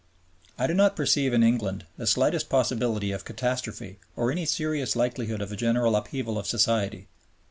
I do not perceive in England the slightest possibility of catastrophe or any serious likelihood of a general upheaval of society.